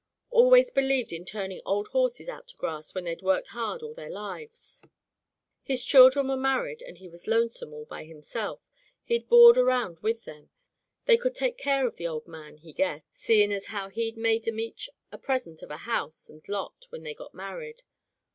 Always be lieved in turning old horses out to grass when they'd worked hard all their lives. His chil dren were married, and he was lonesome all by himself. He'd board around with them. They could take care of the old man, he guessed, seeing as how he'd made 'em each a present of a house and lot when they got mar ried.